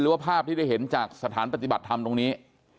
ว่าภาพที่ได้เห็นจากสถานปฏิบัติธรรมตรงนี้